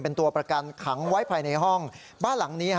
เป็นตัวประกันขังไว้ภายในห้องบ้านหลังนี้ฮะ